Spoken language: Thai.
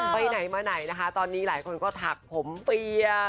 ไปไหนมาไหนนะคะตอนนี้หลายคนก็ถักผมเปียร์